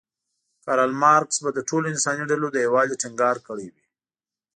کارل مارکس به د ټولو انساني ډلو د یووالي ټینګار کړی وی.